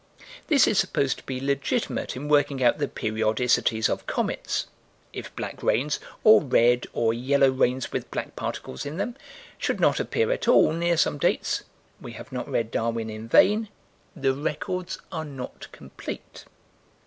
This is supposed to be legitimate in working out the periodicities of comets. If black rains, or red or yellow rains with black particles in them, should not appear at all near some dates we have not read Darwin in vain "the records are not complete."